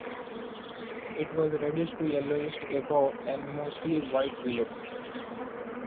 It was reddish to yellowish above and mostly white below.